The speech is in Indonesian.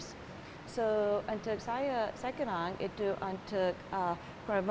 so untuk saya sekarang itu untuk promosi cinema